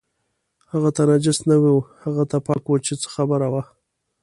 هغه ته نجس نه و، هغه ته پاک و چې څه خبره وه.